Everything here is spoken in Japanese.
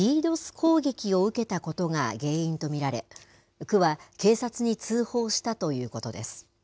攻撃を受けたことが原因とみられ、区は警察に通報したということです。